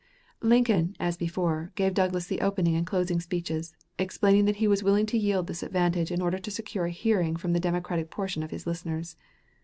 Lincoln, as before, gave Douglas the opening and closing speeches, explaining that he was willing to yield this advantage in order to secure a hearing from the Democratic portion of his listeners.